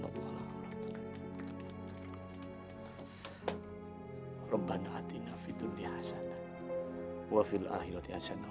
khusus nasiti ya allah